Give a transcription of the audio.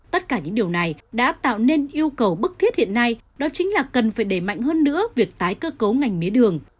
tất cả những điều này đã tạo nên yêu cầu bức thiết hiện nay đó chính là cần phải đẩy mạnh hơn nữa việc tái cơ cấu ngành mía đường